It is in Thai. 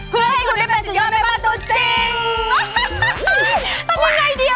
เพื่อให้คุณเป็นสุดยอดแม่บ้านตัวจริง